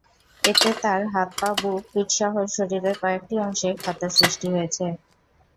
এতে তার হাত, পা, বুক, পিঠসহ শরীরের কয়েকটি অংশে ক্ষতের সৃষ্টি হয়েছে।